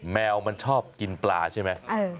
ไม่ได้โดนกรรมนี้นะ